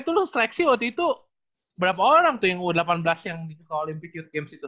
btw tuh lu straksi waktu itu berapa orang tuh yang u delapan belas yang di olympic youth games itu